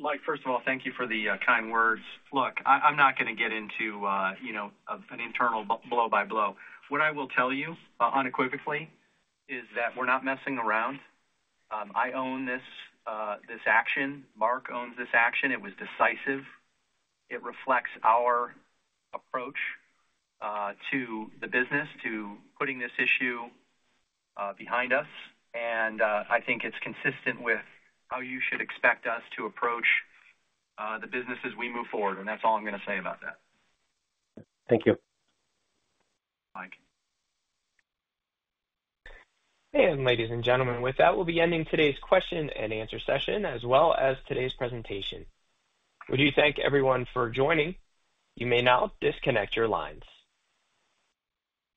Mike, first of all, thank you for the kind words. Look, I'm not going to get into an internal blow-by-blow. What I will tell you unequivocally is that we're not messing around. I own this action. Mark owns this action. It was decisive. It reflects our approach to the business, to putting this issue behind us. I think it's consistent with how you should expect us to approach the business as we move forward. That's all I'm going to say about that. Thank you. Thanks Mike. And ladies and gentlemen, with that, we'll be ending today's question and answer session as well as today's presentation. We do thank everyone for joining. You may now disconnect your lines.